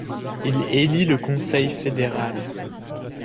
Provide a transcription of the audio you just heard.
Il élit le Conseil Fédéral.